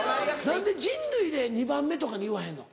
何で人類で２番目とか言わへんの？